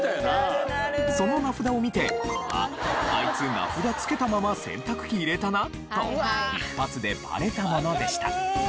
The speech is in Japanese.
その名札を見て「あっあいつ名札付けたまま洗濯機入れたな」と一発でバレたものでした。